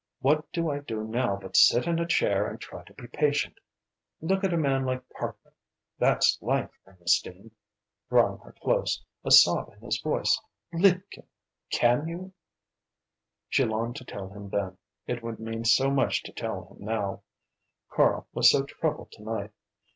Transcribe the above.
What do I do now but sit in a chair and try to be patient? Look at a man like Parkman! That's life. Ernestine" drawing her close, a sob in his voice "liebchen, can you?" She longed to tell him then; it would mean so much to tell him now, Karl was so troubled to night.